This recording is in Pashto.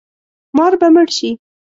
مار به مړ شي